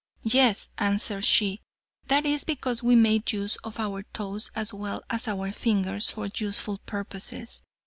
"Yes," answered she, "that is because we made use of our toes as well as our fingers for useful purposes.